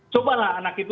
cobalah anak itu